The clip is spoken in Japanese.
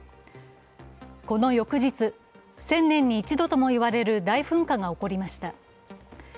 この翌日、１０００年に１度とも言われる大噴火が起こりました。